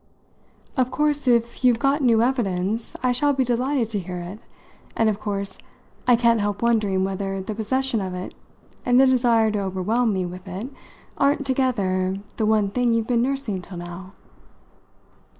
"Of course if you've got new evidence I shall be delighted to hear it; and of course I can't help wondering whether the possession of it and the desire to overwhelm me with it aren't, together, the one thing you've been nursing till now."